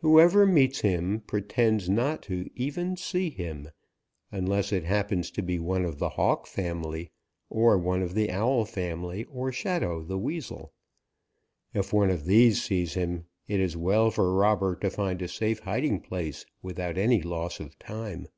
Whoever meets him pretends not to even see him, unless it happens to be one of the Hawk family or one of the Owl family or Shadow the Weasel. If one of these sees him, it is well for Robber to find a safe hiding place without any loss of time.